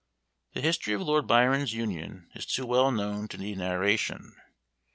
The history of Lord Byron's union is too well known to need narration.